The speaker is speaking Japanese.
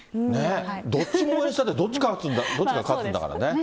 どっちも応援したって、どっちか勝つんだからね。